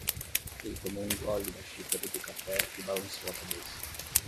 Ele tomou um gole da xícara de café e balançou a cabeça.